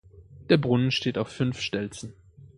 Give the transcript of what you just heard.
Der Brunnen steht auf fünf Stelzen.